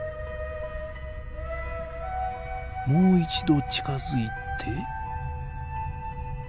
もう一度近づいて。